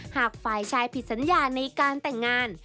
หากฝ่ายชายผิดสัญญาในการแต่งงาน